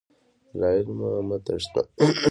له علمه مه تښته.